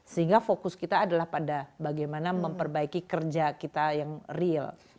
sehingga fokus kita adalah pada bagaimana memperbaiki kerja kita yang real